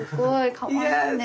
かわいいね。